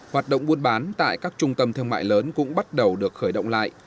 hoạt động buôn bán tại các trung tâm thương mại lớn cũng bắt đầu được khởi động lại